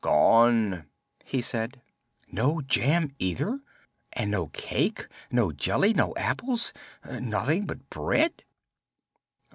"Gone," he said. "No jam, either? And no cake no jelly no apples nothing but bread?"